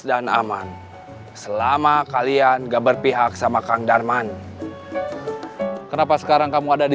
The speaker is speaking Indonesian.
dan enggak lewat proses pematangan secara alami